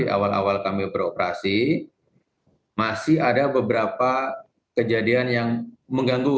awal awal kami beroperasi masih ada beberapa kejadian yang mengganggu